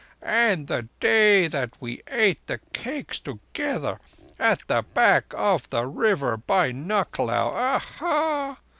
And the day that we ate the cakes together at the back of the river by Nucklao. Aha!